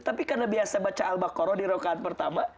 tapi karena biasa baca al baqarah di rokaat pertama